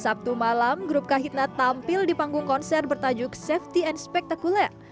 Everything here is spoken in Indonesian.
sabtu malam grup kahitna tampil di panggung konser bertajuk safety and spectaculer